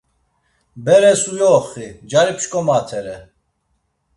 Beres uyoxi, cari pşǩomatere.